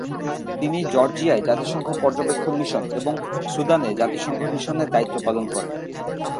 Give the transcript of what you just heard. তিনি জর্জিয়ায় জাতিসংঘ পর্যবেক্ষণ মিশন এবং সুদানে জাতিসংঘ মিশনে দায়িত্ব পালন করেন।